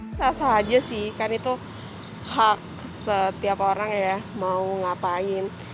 tidak sahaja sih kan itu hak setiap orang ya mau ngapain